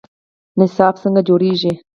نصاب څنګه جوړیږي؟